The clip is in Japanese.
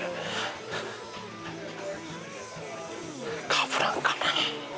かぶらんかな。